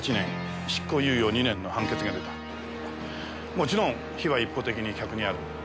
もちろん非は一方的に客にある。